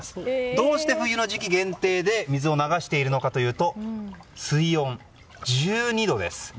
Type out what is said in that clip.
どうして冬の時期限定で水を流しているのかというと水温１２度です。